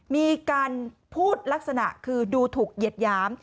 มีการพูดลักษณะคือดูถูกเหยียดหยาม